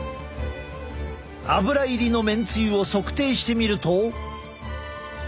アブラ入りのめんつゆを測定してみると。